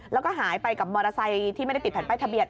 แล้วก็หายไปกับมอเตอร์ไซค์ที่ไม่ได้ติดแผ่นป้ายทะเบีย